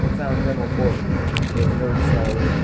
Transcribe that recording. "Sound general quarters." There was no deceleration.